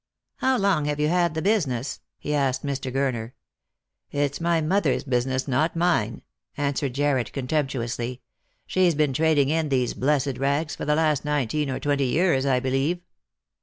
" How long have you had the business ?" he asked Mr. Gurner. " It's my mother's business, not mine," answered Jarred contemptuously. " She's been trading in these blessed rags for the last nineteen or twenty years, I believe."